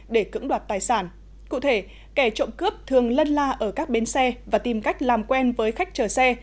để cưỡng đoạt tài sản cụ thể kẻ trộm cướp thường lân la ở các bến xe và tìm cách làm quen với khách chờ xe